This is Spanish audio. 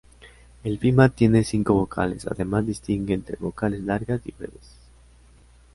El pima tiene cinco vocales, además distingue entre vocales largas y breves.